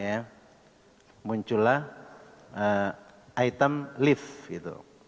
setelah muncul item lift gitu